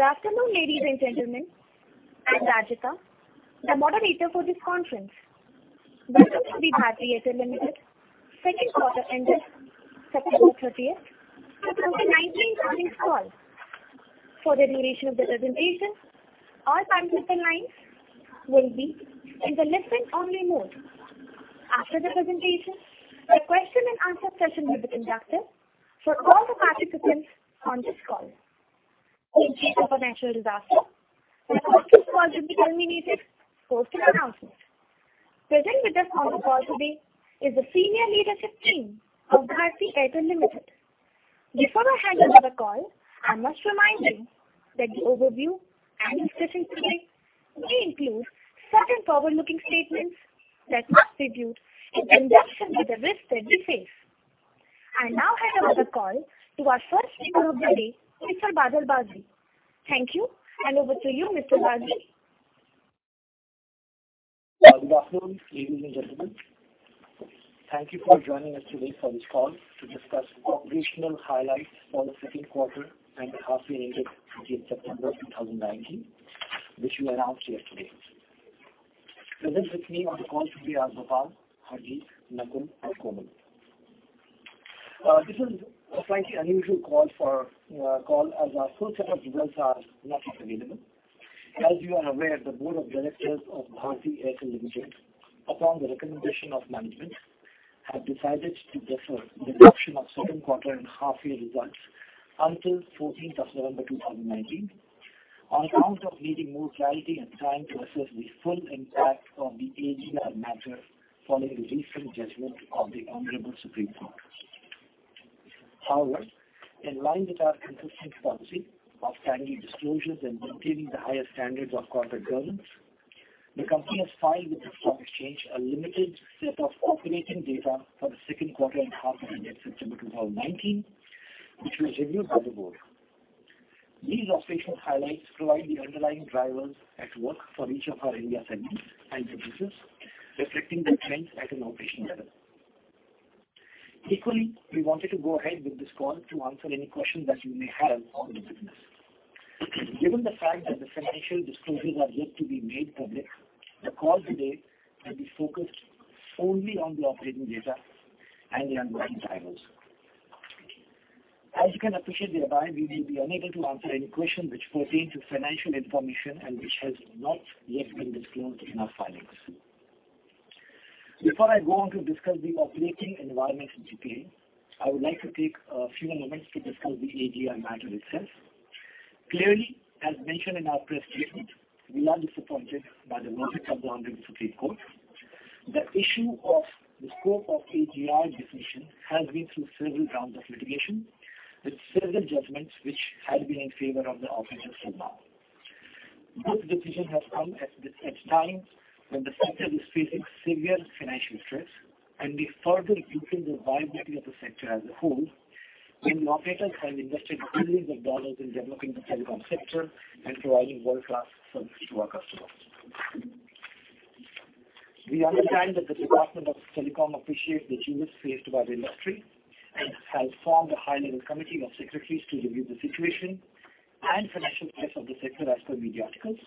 Good afternoon, ladies and gentlemen. I'm Rajyita, the moderator for this conference. Welcome to Bharti Airtel Limited Second Quarter Ended September 30, 2019 Earnings Call. For the duration of the presentation, all participant lines will be in the listen-only mode. After the presentation, a question-and-answer session will be conducted for all the participants on this call. In case of a natural disaster, the conference call will be terminated post-announcement. Present with us on the call today is the senior leadership team of Bharti Airtel Limited. Before I hand over the call, I must remind you that the overview and discussion today may include certain forward-looking statements that must be viewed in conjunction with the risks that we face. I now hand over the call to our first speaker of the day, Mr. Badal Bagri. Thank you, and over to you, Mr. Bagri. Good afternoon, ladies and gentlemen. Thank you for joining us today for this call to discuss operational highlights for the second quarter and half-year ended in September 30, 2019. Which we announced yesterday. Present with me on the call today are Gopal, Harjeet, Nakul, and Komal. This is a slightly unusual call as our full set of results are not yet available. As you are aware, the board of directors of Bharti Airtel, upon the recommendation of management, have decided to defer the deduction of second quarter and half-year results until 14 November 2019, on account of needing more clarity and time to assess the full impact of the aging of matters following the recent judgment of the Honorable Supreme Court. However, in line with our consistent policy of timely disclosures and maintaining the highest standards of corporate governance, the company has filed with the Stock Exchange a limited set of operating data for the second quarter and half-year ended September 2019, which was reviewed by the board. These operational highlights provide the underlying drivers at work for each of our area segments and businesses, reflecting the trends at an operational level. Equally, we wanted to go ahead with this call to answer any questions that you may have on the business. Given the fact that the financial disclosures are yet to be made public, the call today will be focused only on the operating data and the underlying drivers. As you can appreciate thereby, we will be unable to answer any questions which pertain to financial information and which has not yet been disclosed in our filings. Before I go on to discuss the operating environment in detail, I would like to take a few moments to discuss the AGR matter itself. Clearly, as mentioned in our press statement, we are disappointed by the verdict of the Honorable Supreme Court. The issue of the scope of the AGR decision has been through several rounds of litigation, with several judgments which had been in favor of the operators till now. This decision has come at a time when the sector is facing severe financial stress, and it further weakened the viability of the sector as a whole, when the operators have invested billions of dollars in developing the telecom sector and providing world-class service to our customers. We understand that the Department of Telecom appreciates the chills faced by the industry and has formed a high-level committee of secretaries to review the situation and financial stress of the sector as per media articles.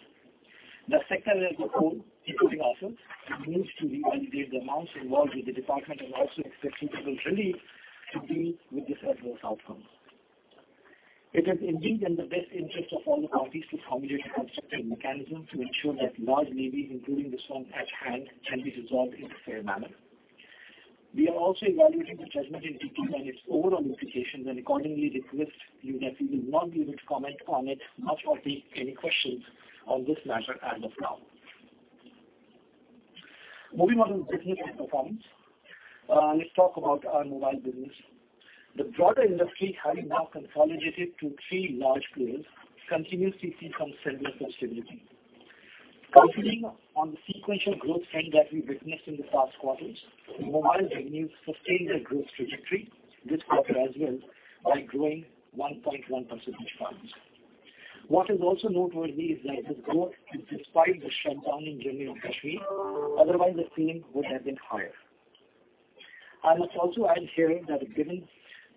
The sector as a whole, including ourselves, needs to revalidate the amounts involved with the department and also expect reasonable relief to deal with this adverse outcome. It is indeed in the best interest of all the parties to formulate a constructive mechanism to ensure that large levies, including the swamp at hand, can be resolved in a fair manner. We are also evaluating the judgment in detail and its overall implications, and accordingly request you that we will not be able to comment on it much or take any questions on this matter as of now. Moving on to business performance, let's talk about our mobile business. The broader industry, having now consolidated to three large players, continuously see some sense of stability. Continuing on the sequential growth trend that we witnessed in the past quarters, mobile revenues sustained their growth trajectory this quarter as well by growing 1.1 percentage points. What is also noteworthy is that this growth is despite the shutdown in Jammu and Kashmir; otherwise, the feeling would have been higher. I must also add here that given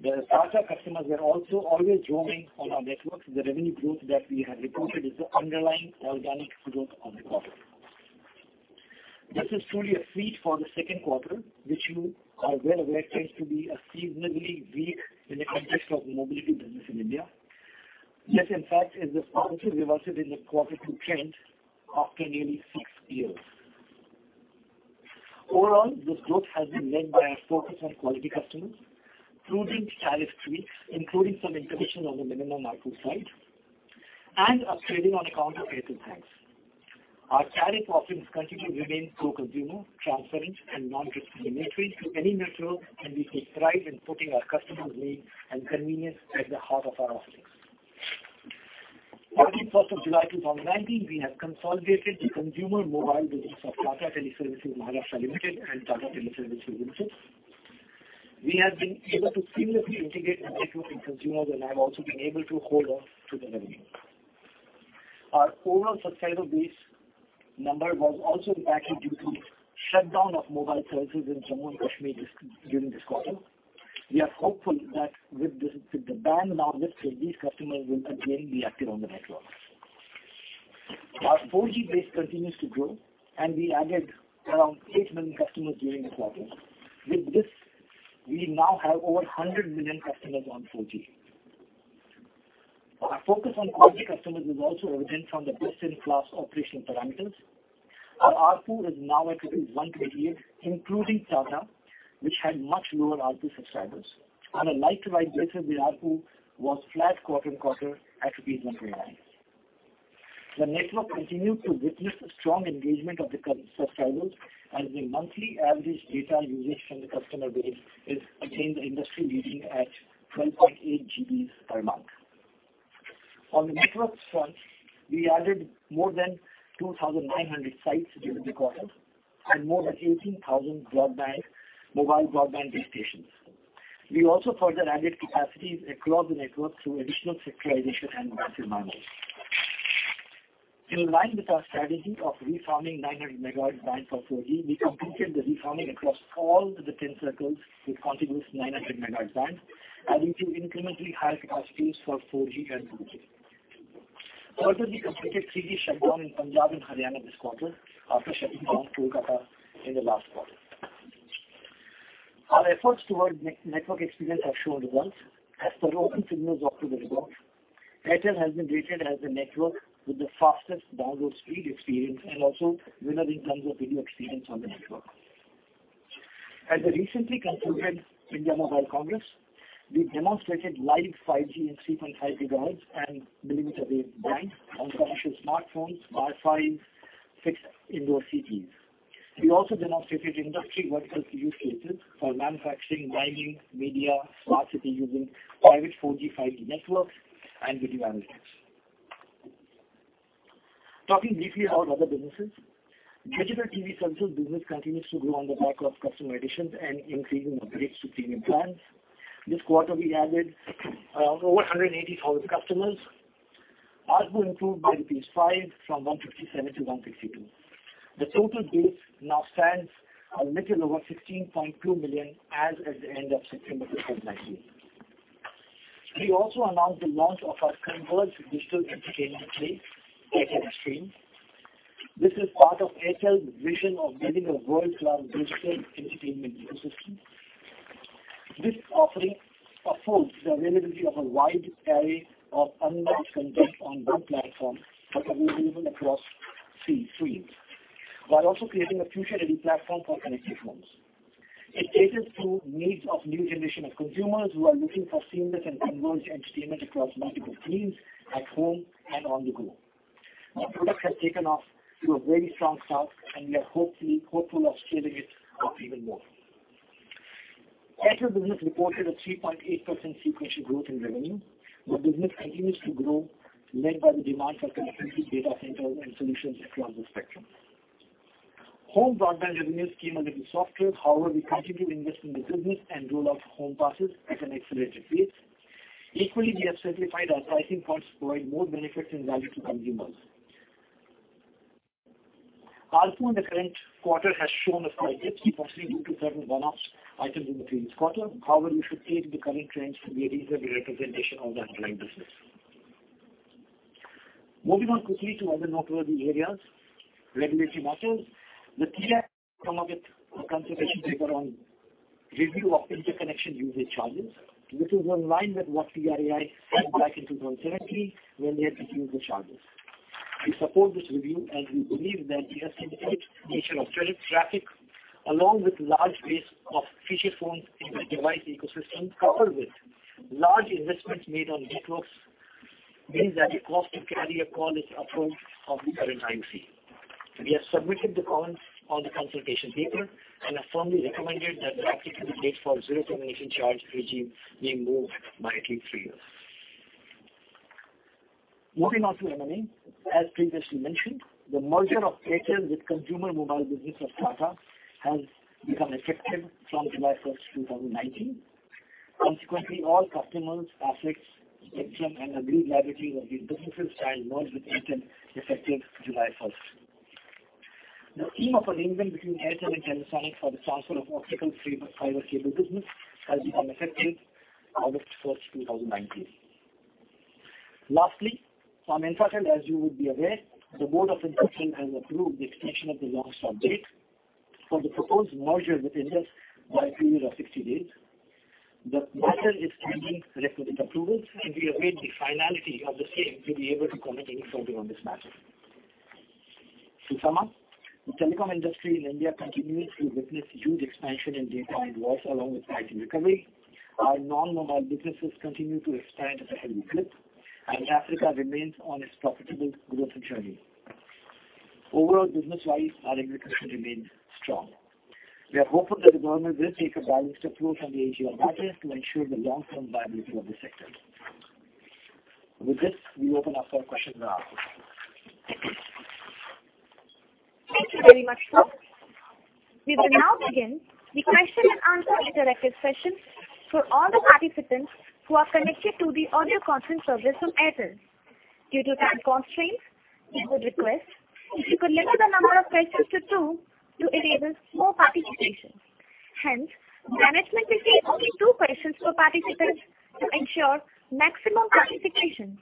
the Tata customers were also always roaming on our networks, the revenue growth that we have reported is the underlying organic growth of the quarter. This is truly a feat for the second quarter, which you are well aware tends to be a seasonably weak in the context of mobility business in India. This, in fact, is the positive reversal in the quarter two trend after nearly six years. Overall, this growth has been led by our focus on quality customers, prudent tariff tweaks, including some intervention on the minimum output side, and upgrading on account of aircraft tax. Our tariff offerings continue to remain pro-consumer, transparent, and non-discriminatory to any network, and we take pride in putting our customers' needs and convenience at the heart of our offerings. Starting 1st of July 2019, we have consolidated the consumer mobile business of Tata Teleservices Maharashtra Limited and Tata Teleservices Limited. We have been able to seamlessly integrate and network with consumers, and I've also been able to hold on to the revenue. Our overall subscriber base number was also impacted due to the shutdown of mobile services in Jammu and Kashmir during this quarter. We are hopeful that with the ban now lifted, these customers will again be active on the network. Our 4G base continues to grow, and we added around 8 million customers during the quarter. With this, we now have over 100 million customers on 4G. Our focus on quality customers is also evident from the best-in-class operational parameters. Our ARPU is now at 128, including Tata, which had much lower ARPU subscribers. On a like-to-like basis, the ARPU was flat quarter-to-quarter at INR 129. The network continued to witness strong engagement of the subscribers, as the monthly average data usage from the customer base is again the industry-leading at 12.8 GB per month. On the network front, we added more than 2,900 sites during the quarter and more than 18,000 mobile broadband base stations. We also further added capacities across the network through additional sectorization and massive MIMOs. In line with our strategy of reforming 900 megahertz band for 4G, we completed the reforming across all the 10 circles with continuous 900 megahertz band, adding to incrementally higher capacities for 4G and 2G. Further, we completed 3G shutdown in Punjab and Haryana this quarter after shutting down Kolkata in the last quarter. Our efforts toward network experience have shown results. As per OpenSignal's October report, Airtel has been rated as the network with the fastest download speed experience and also winner in terms of video experience on the network. At the recently concluded India Mobile Congress, we demonstrated live 5G in 3.5 gigahertz and millimeter wave band on commercial smartphones, Wi-Fi, fixed indoor CPEs. We also demonstrated industry vertical use cases for manufacturing, mining, media, smart city using private 4G/5G networks and video analytics. Talking briefly about other businesses, digital TV services business continues to grow on the back of customer additions and increasing upgrades to premium plans. This quarter, we added around over 180,000 customers. ARPU improved by rupees 5 from 157 to 162. The total base now stands a little over 16.2 million as at the end of September 2019. We also announced the launch of our converged digital entertainment play, Airtel Xstream. This is part of Airtel's vision of building a world-class digital entertainment ecosystem. This offering affords the availability of a wide array of unmatched content on one platform, but available across screens, while also creating a future-ready platform for connected homes. It caters to the needs of new generation of consumers who are looking for seamless and converged entertainment across multiple screeans at home and on the go. The product has taken off to a very strong start, and we are hopeful of scaling it up even more. Airtel business reported a 3.8% sequential growth in revenue. The business continues to grow, led by the demand for connected data centers and solutions across the spectrum. Home broadband revenues came a little softer, however, we continue to invest in the business and roll out home passes at an accelerated pace. Equally, we have simplified our pricing points to provide more benefits and value to consumers. ARPU in the current quarter has shown a slight dip, possibly due to certain one-off items in the previous quarter, however, we should take the current trends to be a reasonable representation of the underlying business. Moving on quickly to other noteworthy areas. Regulatory matters. The TRAI has come up with a consultation paper on review of interconnection usage charges, which is in line with what TRAI said back in 2017 when they had reduced the charges. We support this review, as we believe that the estimated nature of traffic, along with a large base of feature phones in the device ecosystem, coupled with large investments made on networks, means that the cost to carry a call is above the current IUC. We have submitted the comments on the consultation paper and have firmly recommended that the opportunity to wait for zero termination charge regime be moved by at least three years. Moving on to M&A. As previously mentioned, the merger of Airtel with Consumer Mobile business of Tata has become effective from July 1, 2019. Consequently, all customers, assets, spectrum, and agreed liabilities of these businesses shall merge with Airtel effective July 1. The scheme of arrangement between Airtel and Telesonic for the transfer of optical fiber cable business has become effective August 1, 2019. Lastly, from Infratel, as you would be aware, the board of Indus Towers has approved the extension of the long-stop date for the proposed merger with Indus by a period of 60 days. The matter is pending required approvals, and we await the finality of the same to be able to comment any further on this matter. To sum up, the telecom industry in India continues to witness huge expansion in data and voice along with IT recovery. Our non-mobile businesses continue to expand at a heavy clip, and Africa remains on its profitable growth journey. Overall, business-wise, our investments remain strong. We are hopeful that the government will take a balanced approach on the AGR matters to ensure the long-term viability of the sector. With this, we open up for questions and answers. Thank you very much, sir. We will now begin the question-and-answer interactive session for all the participants who are connected to the audio conference service from Airtel. Due to time constraints, we would request if you could limit the number of questions to two to enable more participation. Hence, management will take only two questions per participant to ensure maximum participation.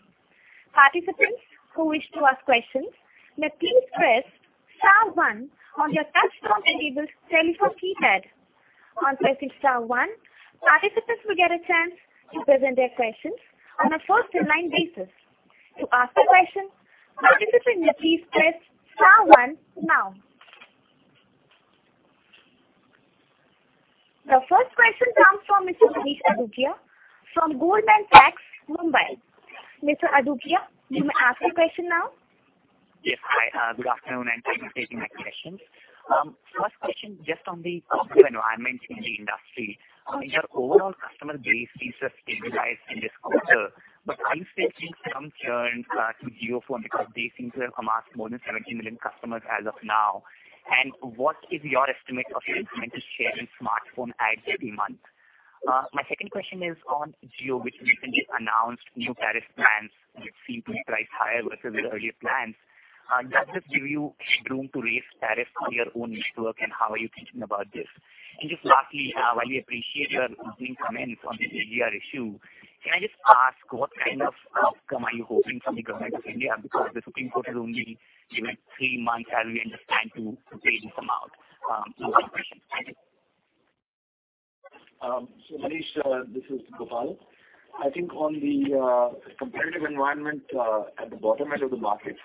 Participants who wish to ask questions may please press Star 1 on your touch-tone-enabled telephone keypad. On pressing Star 1, participants will get a chance to present their questions on a first-in-line basis. To ask a question, participants may please press Star 1 now. The first question comes from Mr. Manish Adukia from Goldman Sachs, Mumbai. Mr. Adukia, you may ask your question now. Yes. Good afternoon. Thank you for taking my questions. First question, just on the customer environment in the industry, your overall customer base seems to have stabilized in this quarter but are you still seeing some churn to Jio Phone because they seem to have amassed more than 70 million customers as of now? What is your estimate of the incremental share in smartphone adds every month? My second question is on Jio, which recently announced new tariff plans that seem to be priced higher versus the earlier plans. Does this give you room to raise tariffs on your own network, and how are you thinking about this? Just lastly, while we appreciate your comments on the AGR issue, can I just ask what kind of outcome are you hoping for from the Government of India because the Supreme Court has only given three months, as we understand to pay this amount? Thank you. So Manish, this is Gopal. I think on the competitive environment at the bottom end of the market,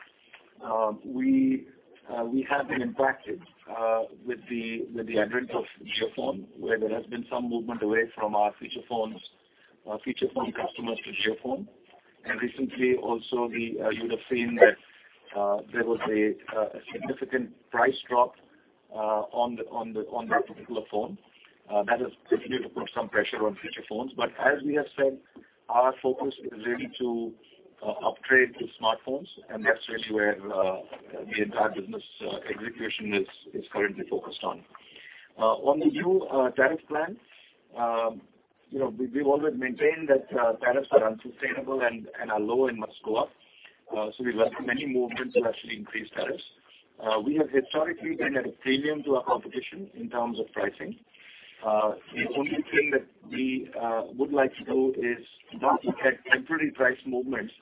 we have been impacted with the advent of Jio Phone, where there has been some movement away from our feature phone customers to Jio Phone. Recently, also, you would have seen that there was a significant price drop on that particular phone that has continued to put some pressure on feature phones. As we have said, our focus is really to upgrade to smartphones, and that's really where the entire business execution is currently focused on. On the new tariff plan, we've always maintained that tariffs are unsustainable and are low and must go up. We have had many movements to actually increase tariffs. We have historically been at a premium to our competition in terms of pricing. The only thing that we would like to do is not to take temporary price movements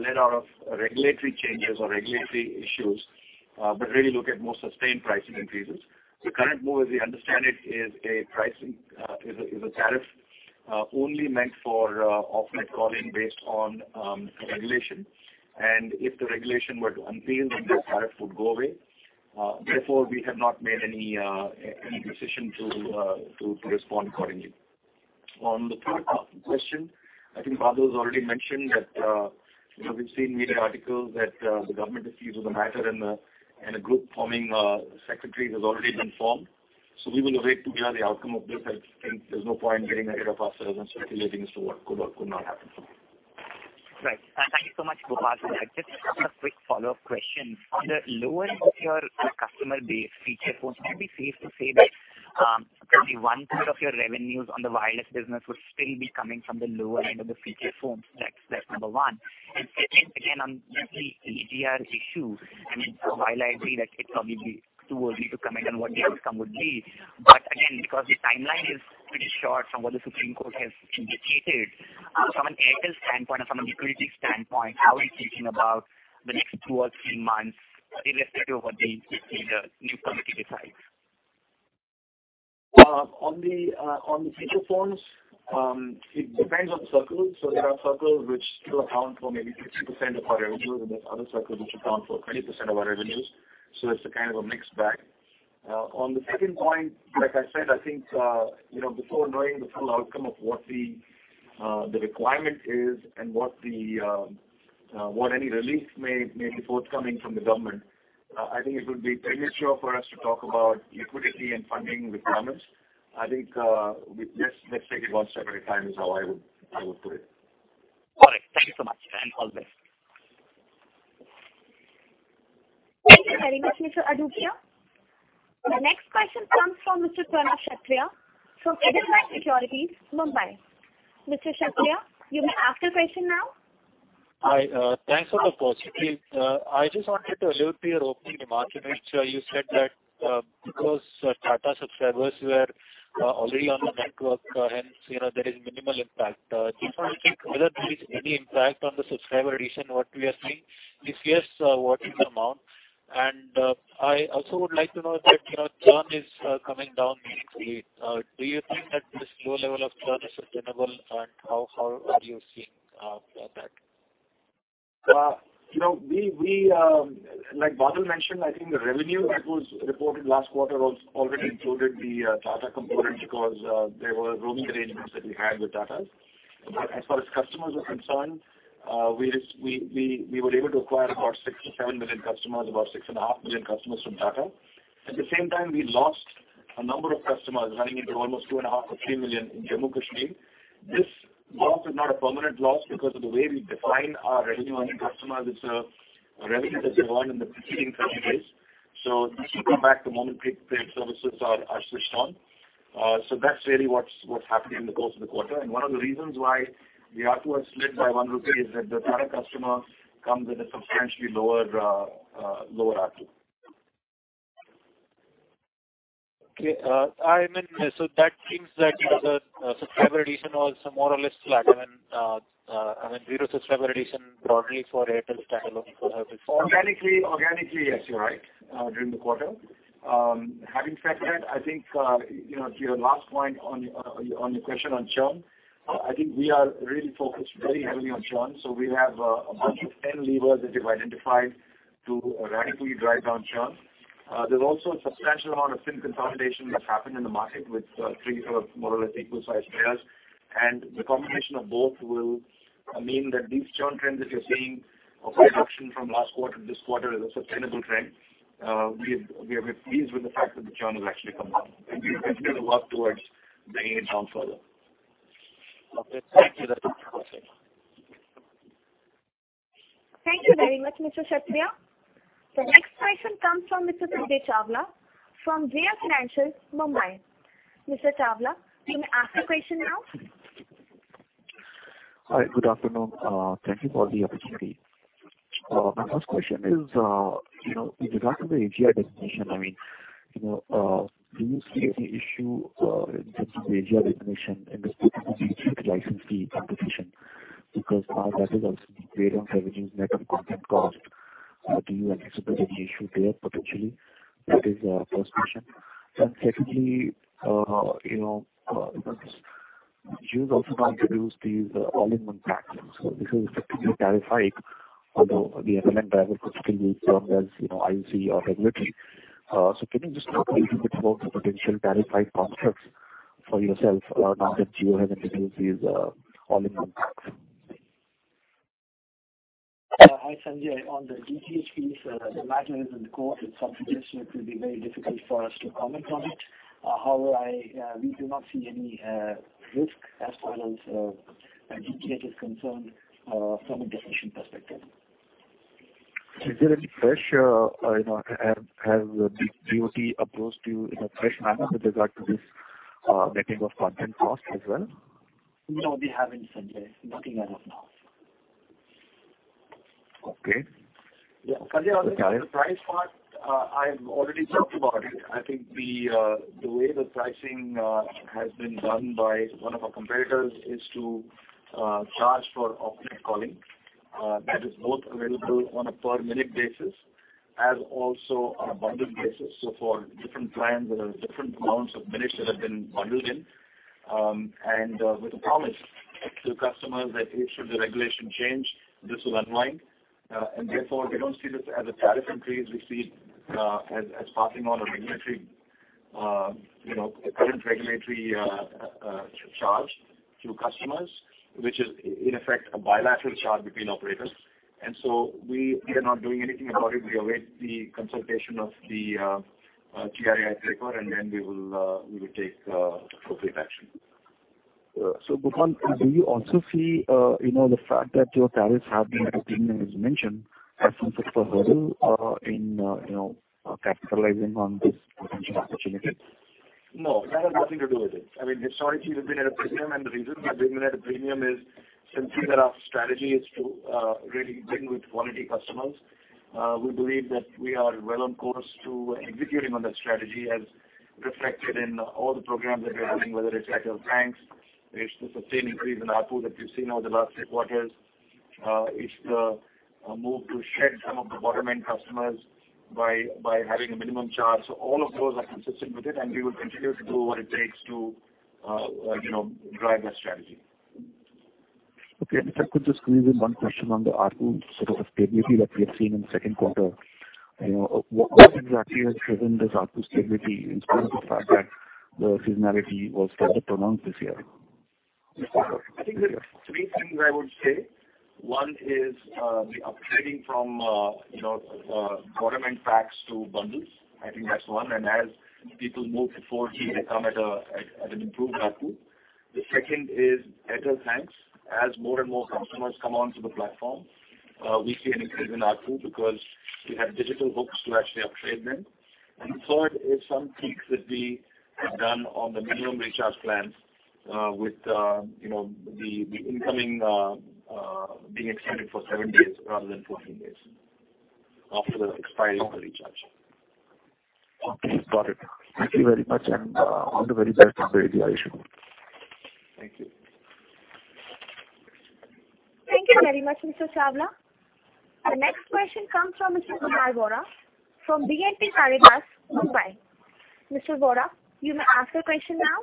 led out of regulatory changes or regulatory issues, but really look at more sustained pricing increases. The current move, as we understand it, is a tariff only meant for offline calling based on regulation. If the regulation were to unpeal, then that tariff would go away. Therefore, we have not made any decision to respond accordingly. On the third question, I think Badal has already mentioned that we've seen media articles that the government is pleased with the matter, and a group forming secretaries has already been formed. We will await to hear the outcome of this. I think there's no point getting ahead of ourselves and speculating as to what could or could not happen. Right. Thank you so much, Gopal. Just a quick follow-up question. On the lower end of your customer base, feature phones, would it be safe to say that only one third of your revenues on the wireless business would still be coming from the lower end of the feature phones? That's number one. Second, again, on the AGR issue, while I agree that it's probably too early to comment on what the outcome would be, again, because the timeline is pretty short from what the Supreme Court has indicated, from an Airtel standpoint and from a liquidity standpoint, how are you thinking about the next two or three months, irrespective of what the new committee decides? On the feature phones, it depends on the circle. There are circles which still account for maybe 50% of our revenues, and there are other circles which account for 20% of our revenues. It is a kind of a mixed bag. On the second point, like I said, I think before knowing the full outcome of what the requirement is and what any relief may be forthcoming from the government, I think it would be premature for us to talk about liquidity and funding requirements. I think let's take it one step at a time is how I would put it. Got it. Thank you so much. All the best. Thank you very much, Mr. Adukia. The next question comes from Mr. Pranav Kshatriya from Edelweiss Securities, Mumbai. Mr. Kshatriya, you may ask your question now. Hi. Thanks for the opportunity. I just wanted to allude to your opening remarks, in which you said that because Tata subscribers were already on the network, hence there is minimal impact. Just wanted to check whether there is any impact on the subscriber addition, what we are seeing? If yes, what is the amount? I also would like to know that churn is coming down meaningfully. Do you think that this low level of churn is sustainable, and how are you seeing that? Like Badal mentioned, I think the revenue that was reported last quarter already included the Tata component because there were roaming arrangements that we had with Tata. As far as customers are concerned, we were able to acquire about 6-7 million customers, about 6.5 million customers from Tata. At the same time, we lost a number of customers running into almost 2.5 or 3 million in Jammu and Kashmir. This loss is not a permanent loss because of the way we define our revenue on customers. It's a revenue that's earned in the preceding 30 days. This will come back the moment prepaid services are switched on. That's really what's happening in the course of the quarter. One of the reasons why the ARPU has slid by one rupee is that the current customer comes at a substantially lower ARPU. Okay. I mean so that seems that the subscriber addition was more or less flat and zero subscriber addition broadly for Airtel standalone phone? Organically, yes, you're right, during the quarter. Having said that, I think to your last point on your question on churn, I think we are really focused very heavily on churn. We have a bunch of 10 levers that we've identified to radically drive down churn. There's also a substantial amount of SIM consolidation that's happened in the market with three more or less equal-sized players, and the combination of both will mean that these churn trends that you're seeing of reduction from last quarter to this quarter is a sustainable trend. We are pleased with the fact that the churn has actually come down. We will continue to work towards bringing it down further. Thank you. That is it from my side. Thank you very much, Mr. Kshatriya. The next question comes from Mr. Sanjay Chawla from JM Financial, Mumbai. Mr. Chawla, you may ask your question now. Hi. Good afternoon. Thank you for the opportunity. My first question is, in regard to the AGR definition, I mean, do you see any issue in terms of the AGR definition in respect of DTH license fee computation? Because now that is also the way of revenue net of content cost. Do you anticipate any issue there potentially? That is the first question. Secondly, Jio has also now introduced these all-in-one packs. This is effectively tariff hike, although the driver could still be termed as IUC or regulatory. Can you just talk a little bit about the potential tariff-like constructs for yourself now that Jio has introduced these all-in-one packs? Hi, Sanjay. On the DTH fees, the matter is in the court. It is unpredictable. It will be very difficult for us to comment on it. However, we do not see any risk as far as DTH is concerned from a definition perspective. Is there any pressure? Has the DoT approached to pressure with regard to this netting of content cost as well? No, they have not, Sanjay. Nothing as of now. Okay. Yeah. Sanjay, on the price part, I've already talked about it. I think the way the pricing has been done by one of our competitors is to charge for offline calling. That is both available on a per-minute basis as also on a bundled basis. For different plans there are different amounts of minutes that have been bundled in. With a promise to customers that if the regulation changes, this will unwind. Therefore, we do not see this as a tariff increase. We see it as passing on a current regulatory charge to customers, which is, in effect, a bilateral charge between operators. We are not doing anything about it. We await the consultation of the TRAI paper, and then we will take appropriate action. Gopal, do you also see the fact that your tariffs have been at a premium, as you mentioned, as some sort of a hurdle in capitalizing on this potential opportunity? No. That has nothing to do with it. I mean, historically, we've been at a premium, and the reason we've been at a premium is simply that our strategy is to really win with quality customers. We believe that we are well on course to executing on that strategy as reflected in all the programs that we are running, whether it's at our banks, it's the sustained increase in ARPU that we've seen over the last three quarters, it's the move to shed some of the bottom-end customers by having a minimum charge. All of those are consistent with it, and we will continue to do what it takes to drive that strategy. Okay. If I could just squeeze in one question on the ARPU sort of stability that we have seen in the second quarter, what exactly has driven this ARPU stability in terms of the fact that the seasonality was rather pronounced this year? I think there are three things I would say. One is the upgrading from bottom-end packs to bundles. I think that's one. As people move to 4G, they come at an improved ARPU. The second is at our banks, as more and more customers come onto the platform, we see an increase in ARPU because we have digital hooks to actually upgrade them. The third is some tweaks that we have done on the minimum recharge plans with the incoming being extended for 7 days rather than 14 days after the expiry of the recharge. Okay. Got it. Thank you very much, and all the very best on the AGR issue. Thank you. Thank you very much, Mr. Chawla. The next question comes from Mr. Kunal Vora from BNP Paribas, Mumbai. Mr. Vora, you may ask your question now.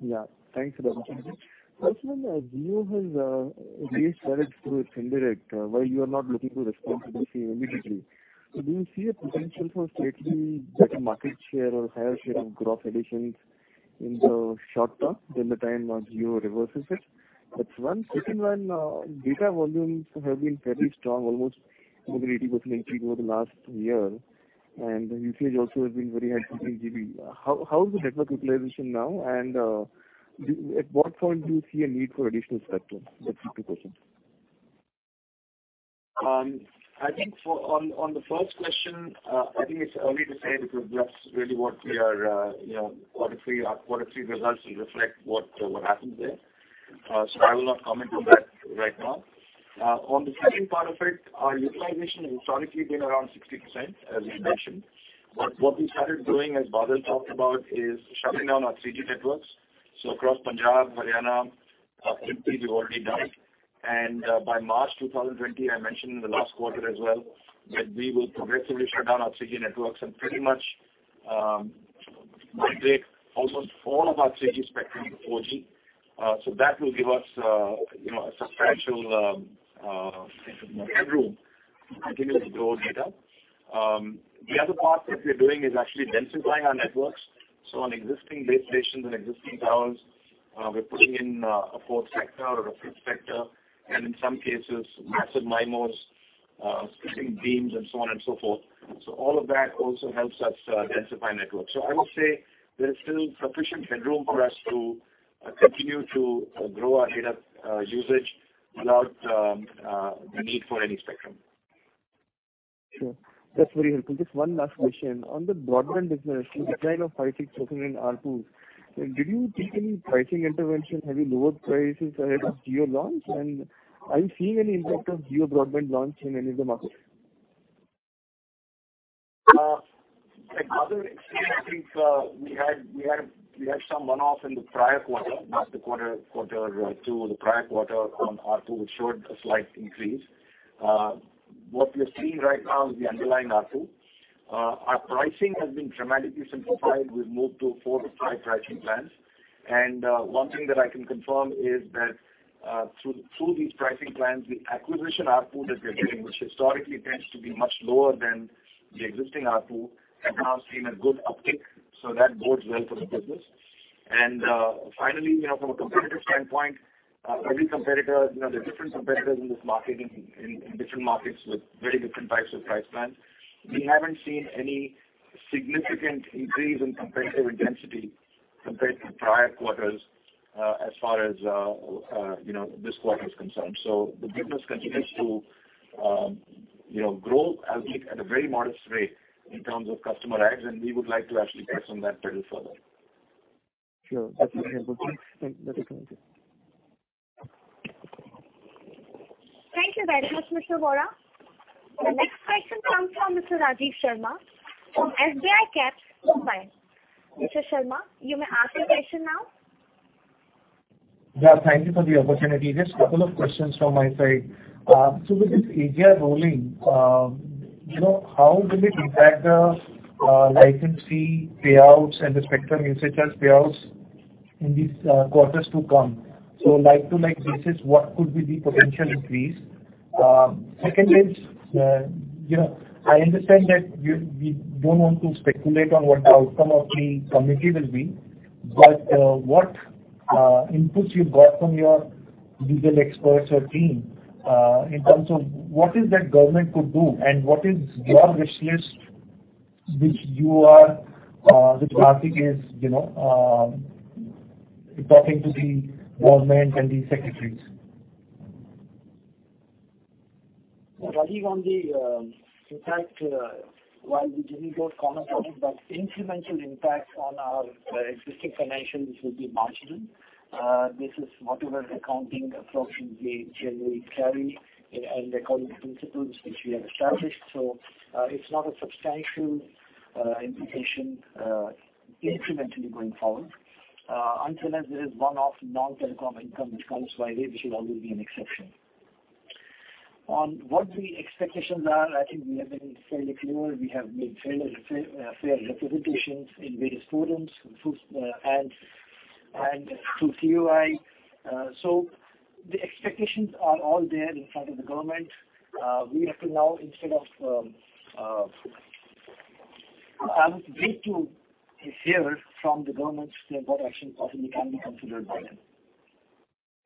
Yeah. Thanks for the opportunity. First one, Jio has raised challenge to its indirect while you are not looking to respond to this immediately. Do you see a potential for slightly better market share or higher share of growth additions in the short term than the time Jio reverses it? That's one. Second one, data volumes have been fairly strong, almost more than 80% increase over the last year, and the usage also has been very high in GB. How is the network utilization now, and at what point do you see a need for additional spectrum? That's the two questions. I think on the first question, I think it's early to say because that's really what we are what the three results will reflect, what happens there. I will not comment on that right now. On the second part of it, our utilization has historically been around 60%, as you mentioned. What we started doing, as Bharti talked about, is shutting down our 3G networks. Across Punjab, Haryana, MP, we've already done. By March 2020, I mentioned in the last quarter as well that we will progressively shut down our 3G networks and pretty much migrate almost all of our 3G spectrum to 4G. That will give us a substantial headroom to continue to grow data. The other part that we're doing is actually densifying our networks. On existing base stations and existing towers, we're putting in a fourth sector or a fifth sector, and in some cases, massive MIMOs, splitting beams, and so on and so forth. All of that also helps us densify networks. I would say there is still sufficient headroom for us to continue to grow our data usage without the need for any spectrum. Sure. That's very helpful. Just one last question. On the broadband business, you designed a 5G token in ARPU. Did you take any pricing intervention? Have you lowered prices ahead of Jio launch? Are you seeing any impact of Jio broadband launch in any of the markets? At other extremes, I think we had some one-off in the prior quarter, not the quarter two. The prior quarter on ARPU, it showed a slight increase. What we are seeing right now is the underlying ARPU. Our pricing has been dramatically simplified. We've moved to four to five pricing plans. One thing that I can confirm is that through these pricing plans, the acquisition ARPU that we are doing, which historically tends to be much lower than the existing ARPU, has now seen a good uptick. That bodes well for the business. Finally, from a competitive standpoint, every competitor, there are different competitors in this market in different markets with very different types of price plans. We haven't seen any significant increase in competitive intensity compared to the prior quarters as far as this quarter is concerned. The business continues to grow, I would think, at a very modest rate in terms of customer ads, and we would like to actually press on that pedal further. Sure. That's very helpful. Thanks. That's it. Thank you very much, Mr. Vora. The next question comes from Mr. Rajiv Sharma from SBI Caps, Mumbai. Mr. Sharma, you may ask your question now. Yeah. Thank you for the opportunity. Just a couple of questions from my side. With this AGR verdict, how will it impact the license fee payouts and the spectrum usage as payouts in these quarters to come? Like-to-like basis, what could be the potential increase? Second is, I understand that we don't want to speculate on what the outcome of the committee will be, but what inputs you've got from your legal experts or team in terms of what is that government could do and what is your wish list which you are, which Bharti is talking to the government and the secretaries? Rajiv, on the impact, while we didn't go to comment on it, incremental impact on our existing financials will be marginal. This is whatever accounting approach we generally carry and according to principles which we have established. It is not a substantial implication incrementally going forward. Until there is one-off non-telecom income which comes by way, which will always be an exception. On what the expectations are, I think we have been fairly clear. We have made fair representations in various forums and through TUI. The expectations are all there in front of the government. We have to now, instead of I would wait to hear from the government to see what action possibly can be considered by them.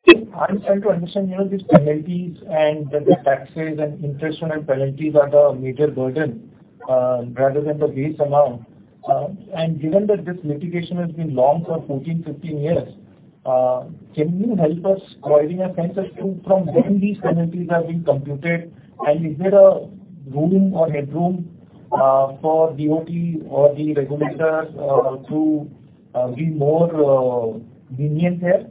I'm trying to understand these penalties and the taxes and interest-on-end penalties are the major burden rather than the base amount. Given that this litigation has been long for 14, 15 years, can you help us, while in a sense, as to from when these penalties have been computed, and is there a room or headroom for DoT or the regulator to be more lenient there?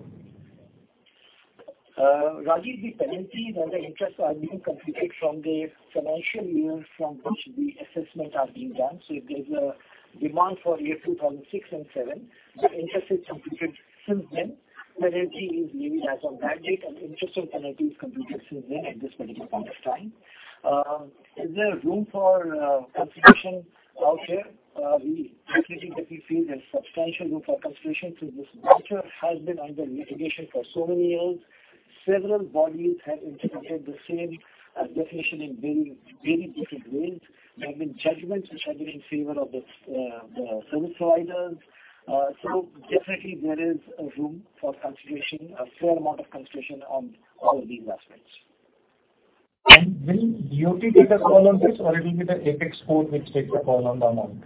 Rajiv, the penalties and the interests are being computed from the financial years from which the assessments are being done. If there is a demand for year 2006 and 2007, the interest is computed since then. Penalty is laid as of that date, and interest on penalties is computed since then at this particular point of time. Is there room for consideration out there? We definitely feel there is substantial room for consideration since this matter has been under litigation for so many years. Several bodies have interpreted the same definition in very, very different ways. There have been judgments which have been in favor of the service providers. Definitely, there is room for consideration, a fair amount of consideration on all of these aspects. Will DoT take a call on this, or will it be the Apex Court which takes a call on the amount?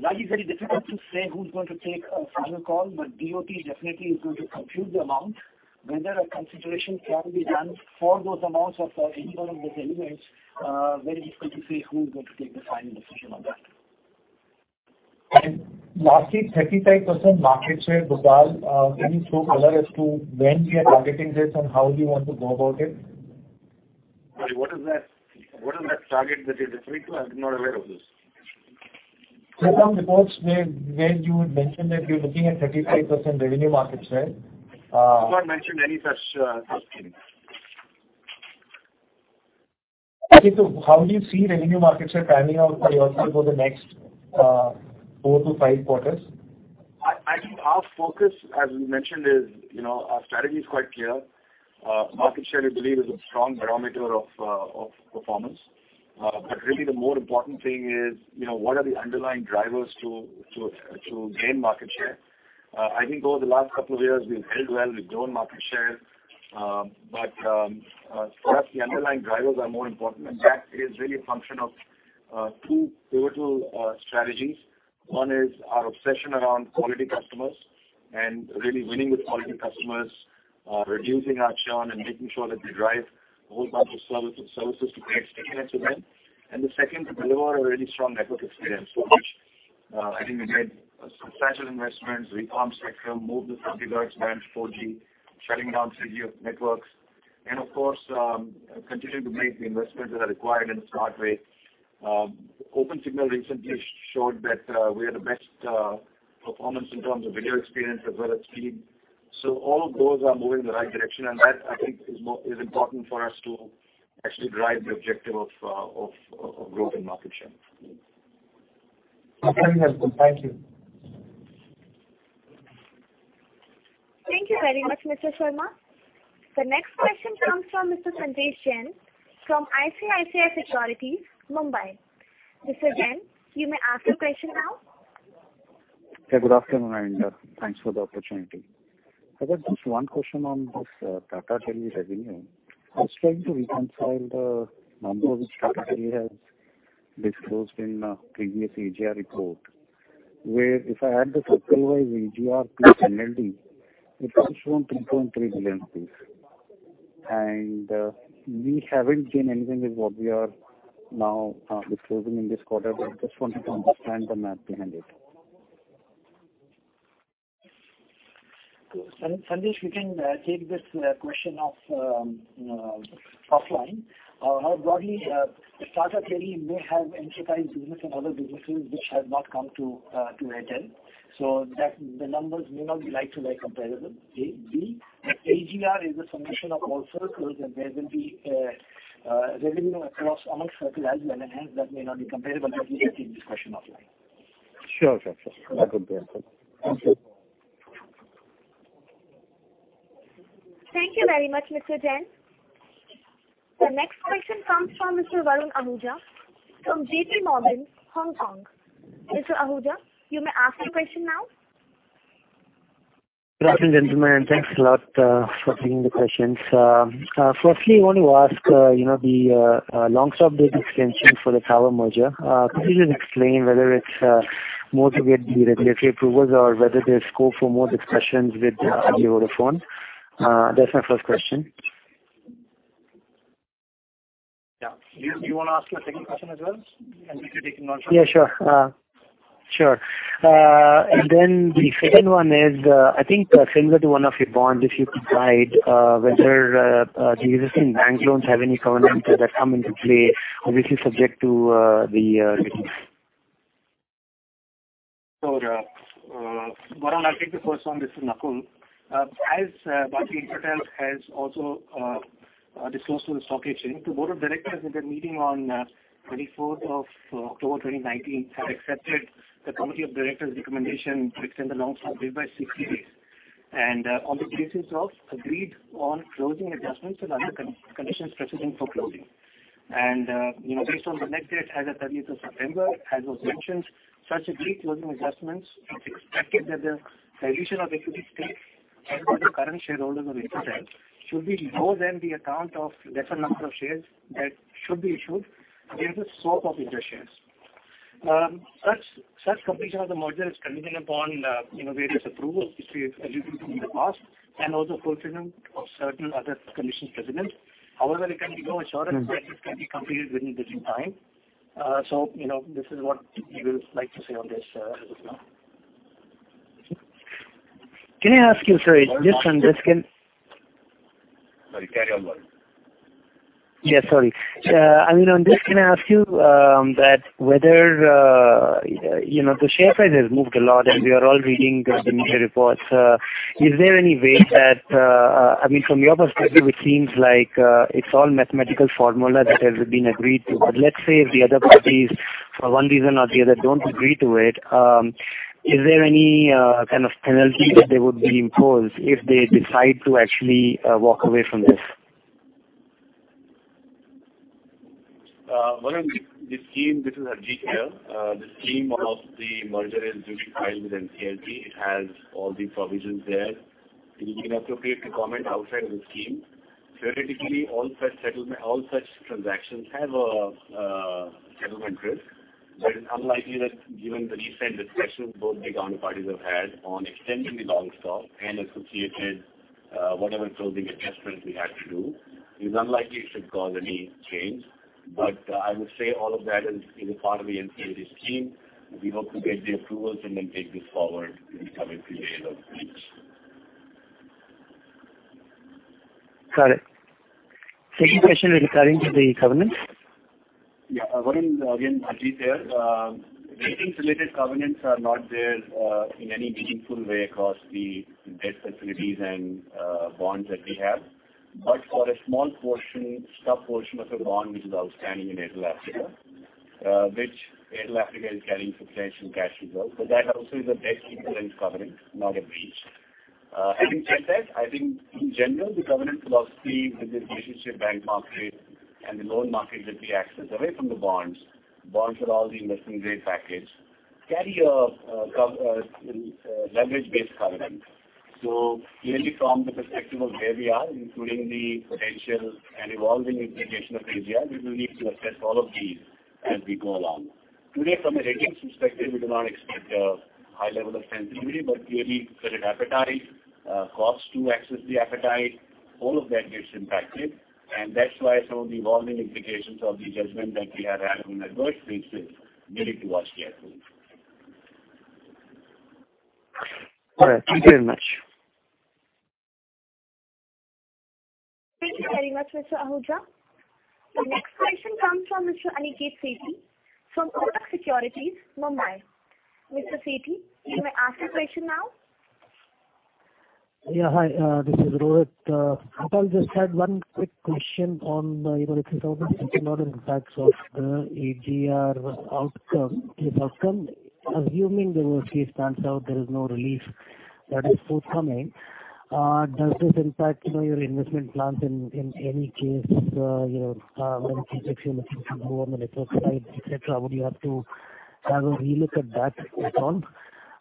Rajiv, it's very difficult to say who's going to take a final call, but DoT definitely is going to compute the amount. Whether a consideration can be done for those amounts or for any one of those elements, very difficult to say who is going to take the final decision on that. Lastly, 35% market share, Gopal, can you throw color as to when we are targeting this and how you want to go about it? Sorry, what is that target that you're referring to? I'm not aware of this. There are some reports where you mentioned that you're looking at 35% revenue market share? I've not mentioned any such thing. Okay. How do you see revenue market share panning out for yourself over the next four to five quarters? I think our focus, as we mentioned, is our strategy is quite clear. Market share, we believe, is a strong barometer of performance. The more important thing is what are the underlying drivers to gain market share. I think over the last couple of years, we've held well. We've grown market share. For us, the underlying drivers are more important, and that is really a function of two pivotal strategies. One is our obsession around quality customers and really winning with quality customers, reducing our churn and making sure that we drive a whole bunch of services to create stickiness with them. To deliver a really strong network experience, for which I think we've made substantial investments, reformed spectrum, moved the 50 GHz band to 4G, shutting down 3G networks, and of course, continuing to make the investments that are required in a smart way. OpenSignal recently showed that we are the best performance in terms of video experience as well as speed. All of those are moving in the right direction, and that, I think, is important for us to actually drive the objective of growth and market share. That's very helpful. Thank you. Thank you very much, Mr. Sharma. The next question comes from Mr. Sanjesh Jain from ICICI Securities, Mumbai. Mr. Jain, you may ask your question now. Yeah. Good afternoon, and thanks for the opportunity. I've got just one question on this Tata Tele revenue. I was trying to reconcile the number which Tata Teleservices has disclosed in the previous AGR report, where if I add the circle-wise AGR plus NLD, it comes to around 3.3 billion rupees. We have not gained anything with what we are now disclosing in this quarter, but I just wanted to understand the math behind it? Sanjesh, we can take this question offline. Broadly, the startup really may have enterprise business and other businesses which have not come to head end. The numbers may not be like-to-like comparable. AGR is a solution of all circles, and there will be revenue across amongst circles as well. Hence, that may not be comparable. We can take this question offline. Sure, sure, sure. That would be helpful. Thank you. Thank you very much, Mr. Jain. The next question comes from Mr. Varun Ahuja from JP Morgan, Hong Kong. Mr. Ahuja, you may ask your question now. Good afternoon, gentlemen. Thanks a lot for taking the questions. Firstly, I want to ask the long-term date extension for the Tower merger. Could you just explain whether it's more to get the regulatory approvals or whether there's scope for more discussions with you over the phone? That's my first question. Do you want to ask a second question as well? We can take another question. Yeah, sure. Sure. The second one is, I think similar to one of your bonds, if you could guide whether the existing bank loans have any covenants that come into play, obviously subject to the retailers. So Varun, I'll take the first one. This is Nakul. As Bharti Infratel has also disclosed to the stock exchange, the board of directors in their meeting on 24th of October 2019 have accepted the committee of directors' recommendation to extend the long-term bid by 60 days. On the basis of agreed-on closing adjustments and other conditions preceding for closing. Based on the next date as of 30th of September, as was mentioned, such agreed closing adjustments expected that the dilution of equity stakes held by the current shareholders of Infratel should be lower than the account of lesser number of shares that should be issued due to scope of interest shares. Such completion of the merger is conditioned upon various approvals which we've alluded to in the past and also fulfillment of certain other conditions precedent. However, there can be no assurance that this can be completed within the due time. This is what we would like to say on this as of now. Can I ask you, sorry, just on this— sorry, carry on, Varun. Yes, sorry. I mean, on this, can I ask you that whether the share price has moved a lot and we are all reading the media reports, is there any way that, I mean, from your perspective, it seems like it's all mathematical formula that has been agreed to. But let's say if the other parties, for one reason or the other, don't agree to it, is there any kind of penalty that they would be imposed if they decide to actually walk away from this? Varun, this is Harjeet here. The scheme of the merger is duly filed with NCLT. It has all the provisions there. Is it appropriate to comment outside of the scheme? Theoretically, all such transactions have a settlement risk. It is unlikely that given the recent discussions both the counterparties have had on extending the long stock and associated whatever closing adjustments we have to do, it is unlikely it should cause any change. I would say all of that is a part of the NCLT scheme. We hope to get the approvals and then take this forward in the coming few days or weeks. Got it. Second question regarding the covenants. Yeah. Varun, again, Harjeet here. Ratings-related covenants are not there in any meaningful way across the debt facilities and bonds that we have, but for a small portion, sub-portion of a bond which is outstanding in Airtel Africa, which Airtel Africa is carrying substantial cash reserves. That also is a debt equivalence covenant, not a breach. Having said that, I think in general, the covenant philosophy with the relationship bank market and the loan market that we access away from the bonds, bonds for all the investment-grade package, carry a leverage-based covenant. Clearly, from the perspective of where we are, including the potential and evolving implication of AGR, we will need to assess all of these as we go along. Today, from a ratings perspective, we do not expect a high level of sensitivity, but clearly, credit appetite, cost to access the appetite, all of that gets impacted. That is why some of the evolving implications of the judgment that we have had on that merge makes it needed to watch carefully. All right. Thank you very much. Thank you very much, Mr. Ahuja. The next question comes from Mr. Rohit Chordia, from Kotak Securities, Mumbai. Mr. Rohit, you may ask your question now. Yeah. Hi. This is Rohit. I'll just add one quick question on the 3000% and all the impacts of the AGR outcome. Assuming the worst case stands out, there is no relief that is forthcoming, does this impact your investment plans in any case, in the case if you're looking to go on the network side, etc.? Would you have to have a relook at that at all?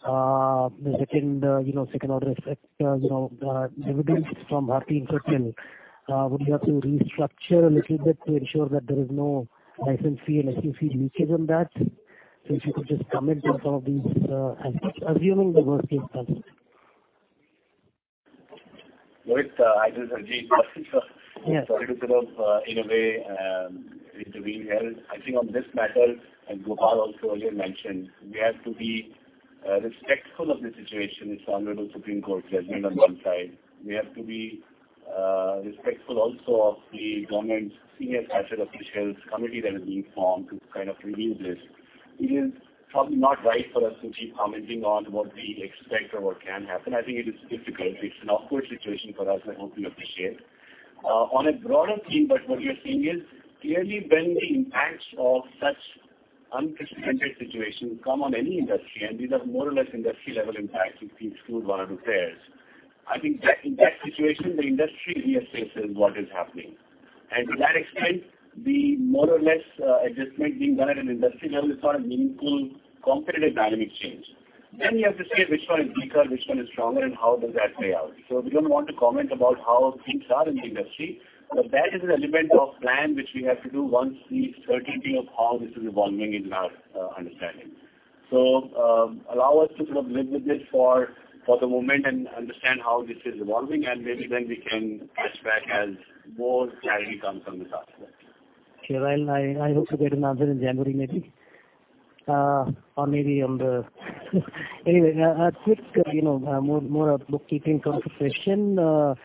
The second order effect, dividends from Bharti Infratel, would you have to restructure a little bit to ensure that there is no license fee and SUC leakage on that? Since you could just comment on some of these aspects, assuming the worst case stands out? Rohit, I do have a few questions. Sorry to interrupt in a way with the wheel here. I think on this matter, as Gopal also earlier mentioned, we have to be respectful of the situation. It's the Honorable Supreme Court judgment on one side. We have to be respectful also of the government's senior chartered officials committee that has been formed to kind of review this. It is probably not right for us to keep commenting on what we expect or what can happen. I think it is difficult. It's an awkward situation for us. I hope you appreciate. On a broader theme, what you're saying is clearly when the impacts of such unprecedented situations come on any industry, and these are more or less industry-level impacts excluding one or two players. I think in that situation, the industry reassesses what is happening. To that extent, the more or less adjustment being done at an industry level is not a meaningful competitive dynamic change. You have to see which one is weaker, which one is stronger, and how does that play out. We do not want to comment about how things are in the industry, but that is an element of plan which we have to do once the certainty of how this is evolving is in our understanding. Allow us to sort of live with this for the moment and understand how this is evolving, and maybe then we can catch back as more clarity comes on this aspect. Okay, I hope to get an answer in January maybe. Anyway, quick, more of bookkeeping kind of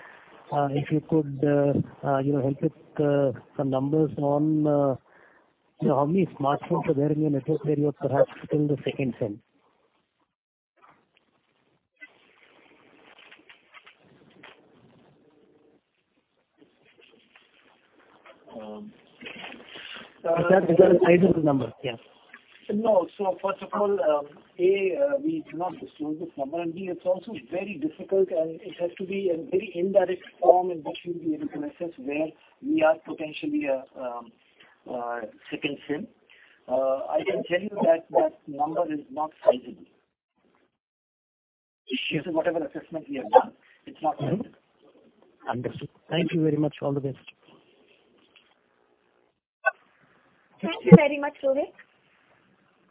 question. If you could help with some numbers on how many smartphones are there in your network where you're perhaps still the second fence. Is that regarding sizable numbers? Yeah. No. First of all, A, we do not disclose this number. B, it's also very difficult, and it has to be a very indirect form in which we will be able to assess where we are potentially a second fence. I can tell you that that number is not sizable. This is whatever assessment we have done. It's not sizable. Understood. Thank you very much. All the best. Thank you very much, Rohit.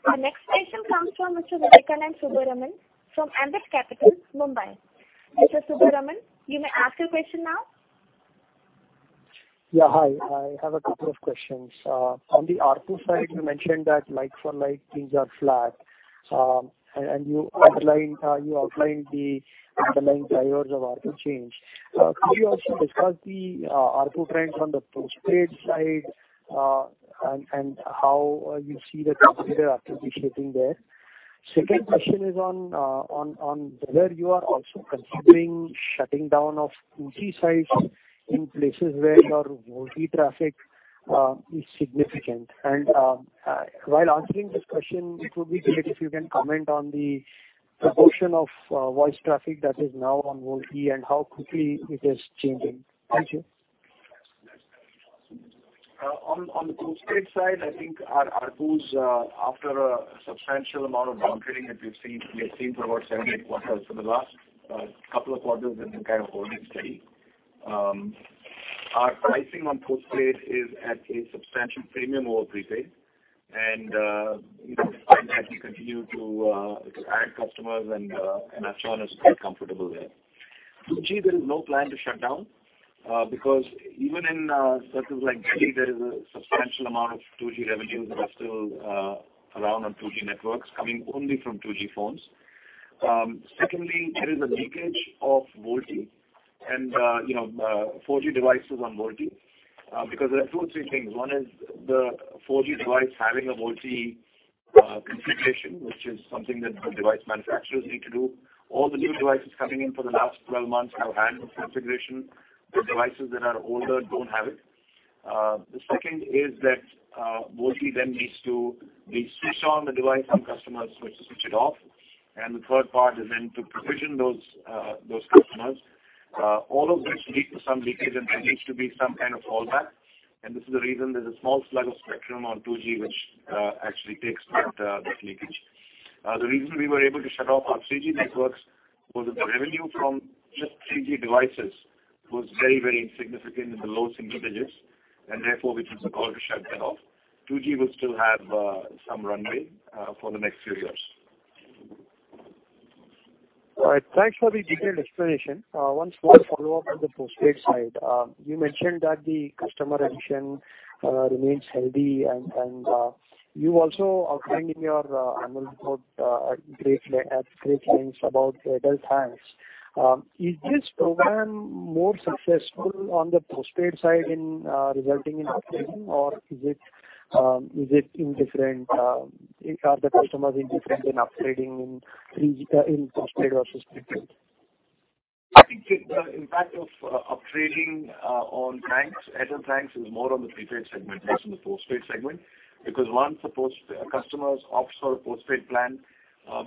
The next question comes from Mr. Vivekanand Subramaniam, from Ambit Capital, Mumbai. Mr. Subbaraman, you may ask your question now. Yeah. Hi. I have a couple of questions. On the ARPU side, you mentioned that like-for-like things are flat, and you outlined the underlying drivers of ARPU change. Could you also discuss the ARPU trends on the post-trade side and how you see the competitor participating there? Second question is on whether you are also considering shutting down of 2G sites in places where your VoLTE traffic is significant. While answering this question, it would be great if you can comment on the proportion of VoLTE traffic that is now on VoLTE and how quickly it is changing. Thank you. On the post-trade side, I think our ARPUs, after a substantial amount of downtrading that we've seen for about seven or eight quarters, for the last couple of quarters, have been kind of holding steady. Our pricing on post-trade is at a substantial premium over prepaid, and we have to continue to add customers, and Astana is quite comfortable there. 2G, there is no plan to shut down because even in circles like Delhi, there is a substantial amount of 2G revenue that is still around on 2G networks coming only from 2G phones. Secondly, there is a leakage of VoLTE and 4G devices on VoLTE because there are two or three things. One is the 4G device having a VoLTE configuration, which is something that the device manufacturers need to do. All the new devices coming in for the last 12 months now have this configuration. The devices that are older do not have it. The second is that VoLTE then needs to be switched on the device and customers switch it off. The third part is then to provision those customers. All of these lead to some leakage, and there needs to be some kind of fallback. This is the reason there is a small slug of spectrum on 2G, which actually takes back this leakage. The reason we were able to shut off our 3G networks was that the revenue from just 3G devices was very, very insignificant in the low single digits, and therefore, we took the call to shut that off. 2G will still have some runway for the next few years. All right. Thanks for the detailed explanation. One small follow-up on the postpaid side. You mentioned that the customer addition remains healthy, and you also outlined in your Honorable Report at great lengths about the adult hands. Is this program more successful on the postpaid side in resulting in upgrading, or is it indifferent? Are the customers indifferent in upgrading in postpaid versus prepaid? I think the impact of upgrading on adult hands is more on the prepaid segment than on the postpaid segment because once a customer opts for a postpaid plan,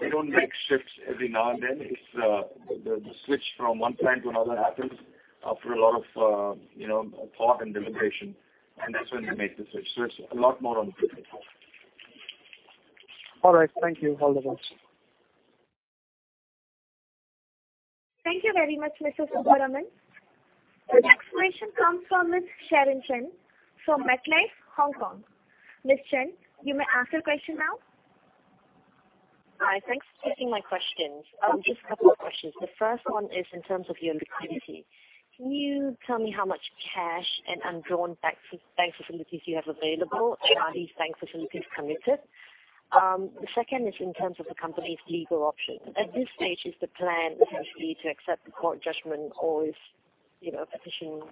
they don't make shifts every now and then. The switch from one plan to another happens after a lot of thought and deliberation, and that's when they make the switch. It is a lot more on the prepaid side. All right. Thank you. All the best. Thank you very much, Mr. Subramaniam. The next question comes from Ms. Sharon Chen from MetLife, Hong Kong. Ms. Chen, you may ask your question now. Hi. Thanks for taking my questions. Just a couple of questions. The first one is in terms of your liquidity. Can you tell me how much cash and undrawn bank facilities you have available? Are these bank facilities committed? The second is in terms of the company's legal options. At this stage, is the plan essentially to accept the court judgment or is a petition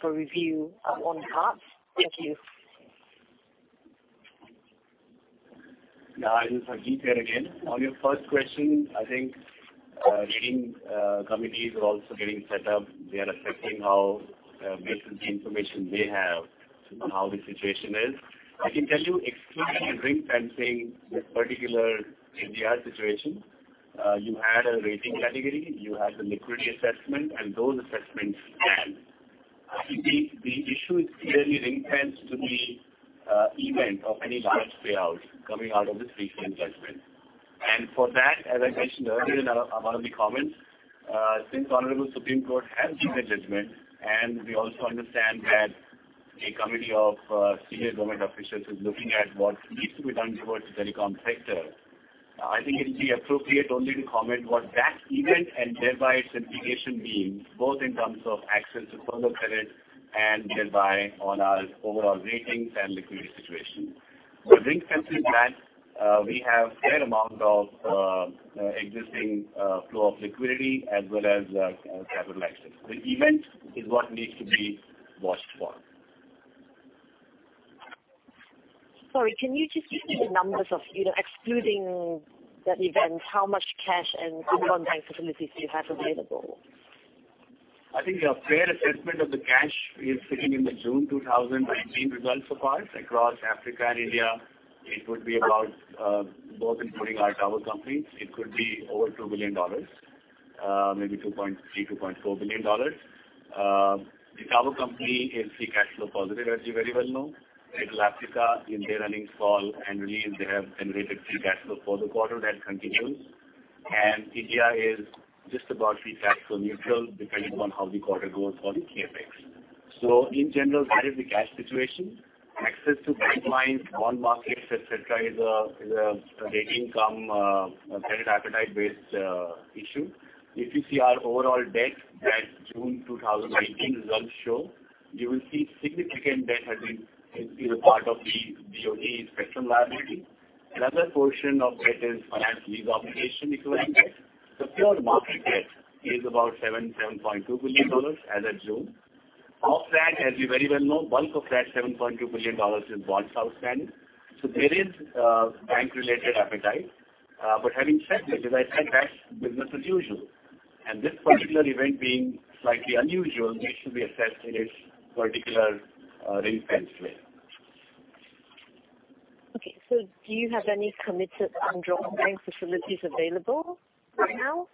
for review on the cards? Thank you. Yeah. I'll just repeat that again. On your first question, I think reading committees are also getting set up. They are assessing how basically the information they have on how the situation is. I can tell you exclusively ring-fencing this particular AGR situation. You had a rating category. You had the liquidity assessment, and those assessments stand. The issue is clearly ring-fenced to the event of any large payout coming out of this recent judgment. For that, as I mentioned earlier in one of the comments, since the Honorable Supreme Court has made a judgment, and we also understand that a committee of senior government officials is looking at what needs to be done towards the telecom sector, I think it would be appropriate only to comment what that event and thereby its implication means both in terms of access to further credit and thereby on our overall ratings and liquidity situation. Ring-fencing that, we have a fair amount of existing flow of liquidity as well as capital access. The event is what needs to be watched for. Sorry. Can you just give me the numbers of excluding that event, how much cash and unworn bank facilities do you have available? I think a fair assessment of the cash is sitting in the June 2019 results so far across Africa and India. It would be about, both including our tower companies, it could be over $2 billion, maybe $2.3-$2.4 billion. The tower company is free cash flow positive, as you very well know. Little Africa, in their earnings call and release, they have generated free cash flow for the quarter that continues. India is just about free cash flow neutral depending on how the quarter goes for the CapEx. In general, that is the cash situation. Access to bank lines, bond markets, etc. is a rating come credit appetite-based issue. If you see our overall debt that June 2019 results show, you will see significant debt has been part of the DoT spectrum liability. Another portion of debt is finance lease obligation equivalent debt. The pure market debt is about $7 billion-$7.2 billion as of June. Of that, as you very well know, bulk of that $7.2 billion is bonds outstanding. There is bank-related appetite. Having said that, as I said, that is business as usual. This particular event being slightly unusual, it should be assessed in its particular ring-fenced way. Okay. Do you have any committed undrawn bank facilities available right now?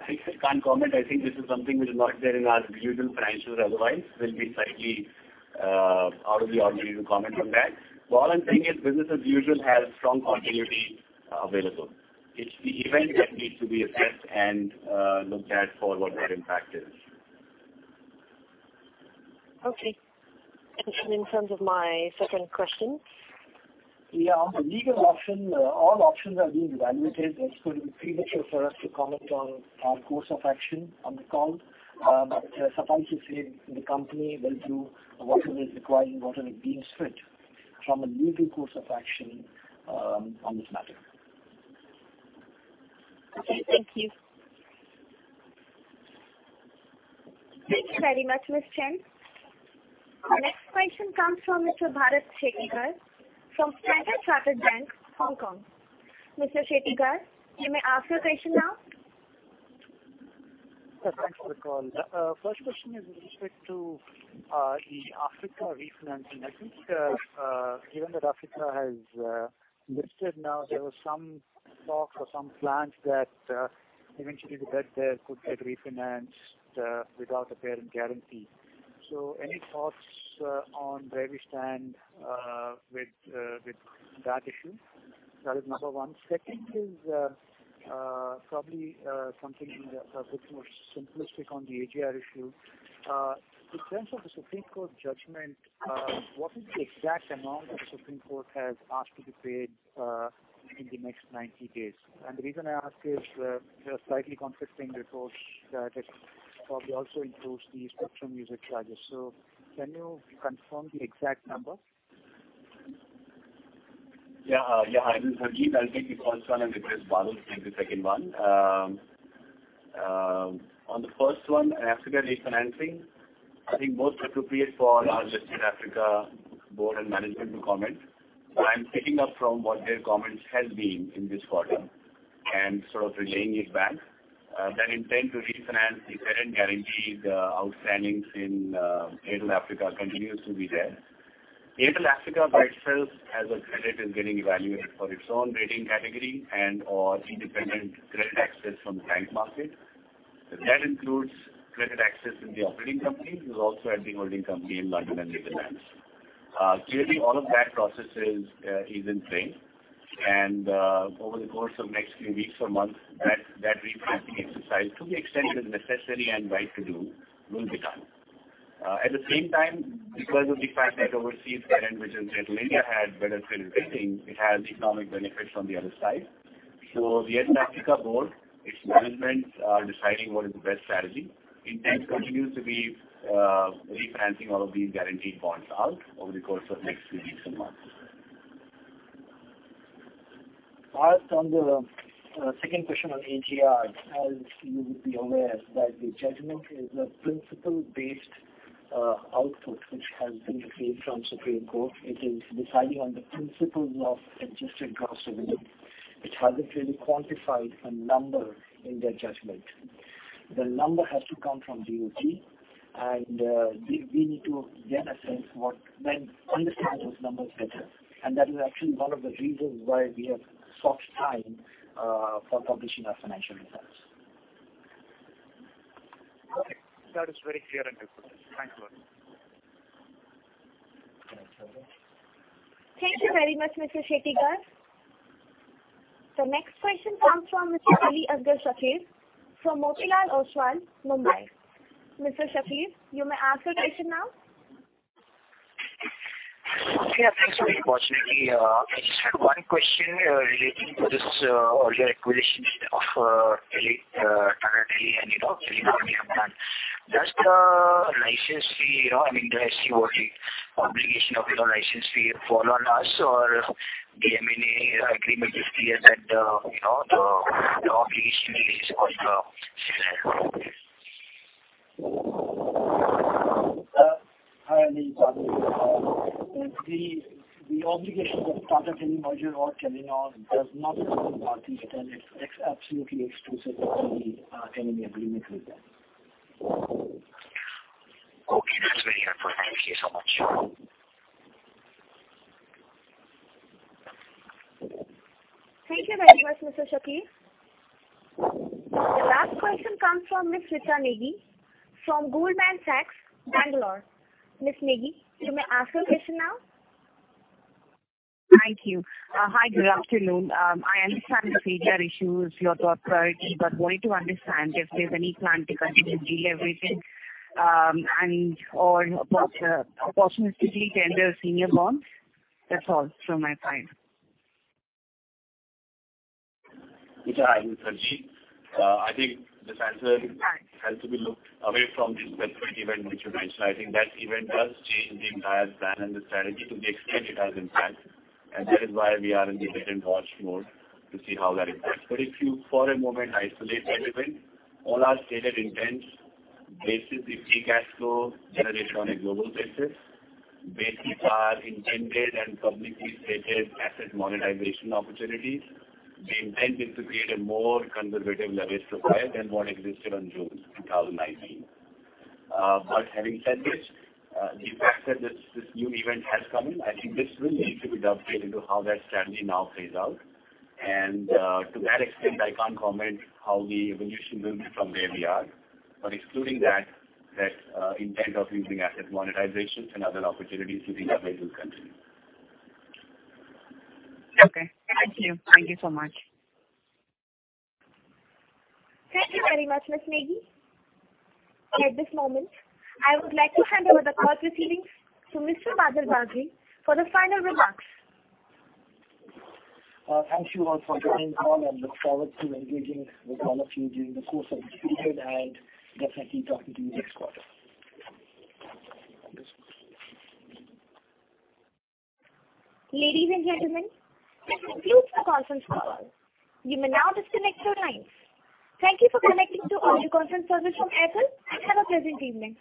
I cannot comment. I think this is something which is not there in our usual financials otherwise. It would be slightly out of the ordinary to comment on that. All I'm saying is business as usual has strong continuity available. It's the event that needs to be assessed and looked at for what that impact is. Okay. In terms of my second question? Yeah. On the legal option, all options are being evaluated. It's going to be premature for us to comment on our course of action on the call, but suffice to say the company will do whatever is required and whatever deems fit from a legal course of action on this matter. Okay. Thank you. Thank you very much, Ms. Chen. The next question comes from Mr. Bharat Shettigar from Standard Chartered Bank, Hong Kong. Mr. Shettikar, you may ask your question now. Thanks for the call. First question is with respect to the Africa refinancing I think given that Africa has lifted now, there were some talks or some plans that eventually the debt there could get refinanced without a parent guarantee. Any thoughts on where we stand with that issue? That is number one. Second is probably something a bit more simplistic on the AGR issue. In terms of the Supreme Court judgment, what is the exact amount that the Supreme Court has asked to be paid in the next 90 days? The reason I ask is there are slightly conflicting reports that it probably also includes the spectrum usage charges. Can you confirm the exact number? Yeah. This is Harjeet. I will take the first one and request Badal to take the second one. On the first one, Africa refinancing, I think most appropriate for our listed Africa board and management to comment. I'm picking up from what their comments have been in this quarter and sort of relaying it back. That intent to refinance the parent guaranteed outstandings in Little Africa continues to be there. Little Africa by itself as a credit is getting evaluated for its own rating category and/or independent credit access from the bank market. That includes credit access in the operating company who's also at the holding company in London and the Netherlands. Clearly, all of that process is in play. Over the course of next few weeks or months, that refinancing exercise, to the extent it is necessary and right to do, will be done. At the same time, because of the fact that overseas parent, which is Little India, had better credit rating, it has economic benefits on the other side. The Little Africa board, its management, are deciding what is the best strategy. Intent continues to be refinancing all of these guaranteed bonds out over the course of the next few weeks and months. As on the second question on AGR, as you would be aware, that the judgment is a principle-based output, which has been obtained from the Supreme Court. It is deciding on the principles of adjusted gross revenue. It has not really quantified a number in their judgment. The number has to come from DoT, and we need to then assess and understand those numbers better. That is actually one of the reasons why we have sought time for publishing our financial results. Okay. That is very clear and precise. Thank you very much. Thank you very much, Mr. Shettigar. The next question comes from Mr. Aliashar Shakir from Motilal Oswal, Mumbai. Mr. Shakir, you may ask your question now. Yeah. Thanks for the opportunity. I just had one question relating to this earlier acquisitions of Tata Tele and Telenor we have done. Does the license fee fall on us or the M&A agreement is clear that the obligation is on the seller? The obligations of Tata Tele merger or Telenor does not come to Bharti Airtel. It is absolutely explicit in the M&A agreement with them. Okay. That's very helpful. Thank you so much. Thank you very much, Mr. Shakir. The last question comes from Ms. Richa Negi from Goldman Sachs, Bengaluru. Ms. Negi, you may ask your question now. Thank you. Hi. Good afternoon. I understand the failure issue is your top priority, but wanted to understand if there's any plan to continue delay everything and/or proportionately tender senior bond? That's all from my side. Richa, I will concede. I think this answer has to be looked away from this spectrum event which you mentioned. I think that event does change the entire plan and the strategy to the extent it has impact. That is why we are in the wait-and-watch mode to see how that impacts. If you for a moment isolate that event, all our stated intent bases the free cash flow generated on a global basis, bases our intended and publicly stated asset monetization opportunities. The intent is to create a more conservative leverage profile than what existed on June 2019. Having said this, the fact that this new event has come in, I think this will need to be dovetailed into how that strategy now plays out. To that extent, I can't comment how the evolution will be from where we are. Excluding that, that intent of using asset monetization and other opportunities, we think that may still continue. Okay. Thank you. Thank you so much. Thank you very much, Ms. Negi. At this moment, I would like to hand over the call to Mr. Badal Bagri for the final remarks. Thank you all for joining the call, and look forward to engaging with all of you during the course of this period and definitely talking to you next quarter. Ladies and gentlemen, this concludes the conference call. You may now disconnect your lines. Thank you for connecting to Audio Conference service from Airtel, and have a pleasant evening.